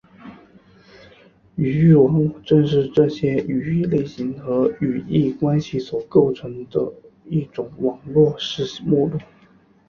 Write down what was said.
语义网络正是这些语义类型和语义关系所构成的一种网络式目录。